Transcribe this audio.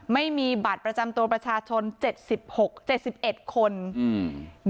ไม่มีบัตรประจำตัวประชาชนเจ็ดสิบหกเจ็ดสิบเอ็ดคนอืม